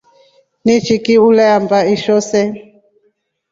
Nchiki uleamba isho see.